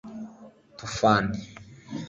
Toofan